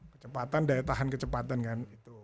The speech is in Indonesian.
kecepatan daya tahan kecepatan kan itu